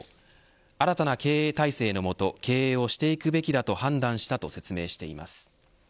新たな経営体制のもと経営をしていくべきだと判断したと説明しています。